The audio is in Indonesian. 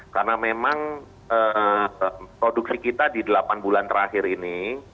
karena memang produksi kita di delapan bulan terakhir ini